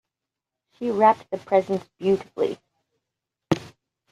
She wrapped the presents beautifully.